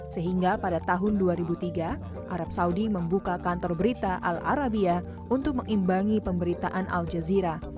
sehingga pada tahun dua ribu tiga arab saudi membuka kantor berita al arabia untuk mengimbangi pemberitaan al jazeera